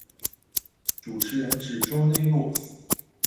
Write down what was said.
主持人是 Jonny Voss。